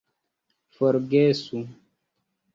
forgesu